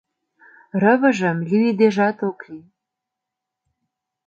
Рывыжым лӱйыдежат ок лий.